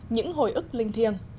những hồi ức linh thiêng